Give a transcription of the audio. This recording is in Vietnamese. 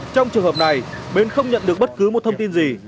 trong trường hợp này bên không nhận được bất cứ một thông tin gì